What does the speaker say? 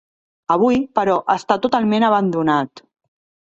Avui, però, està totalment abandonat.